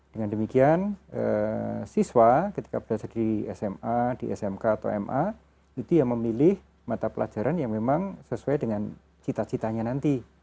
dengan demikian siswa ketika belajar di sma di smk atau ma itu yang memilih mata pelajaran yang memang sesuai dengan cita citanya nanti